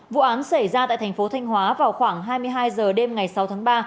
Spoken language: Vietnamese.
vụ án xảy ra tại thành phố thanh hóa vào khoảng hai mươi hai h đêm ngày sáu tháng ba